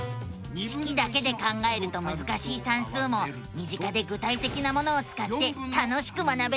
式だけで考えるとむずかしい算数も身近で具体的なものをつかって楽しく学べるのさ！